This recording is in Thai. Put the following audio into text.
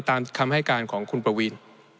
ตามคำให้การของคุณประวีน